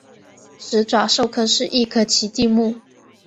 始爪兽科是一科奇蹄目。